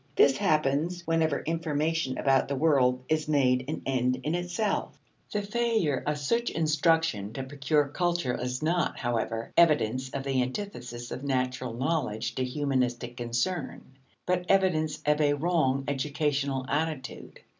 This happens whenever information about the world is made an end in itself. The failure of such instruction to procure culture is not, however, evidence of the antithesis of natural knowledge to humanistic concern, but evidence of a wrong educational attitude.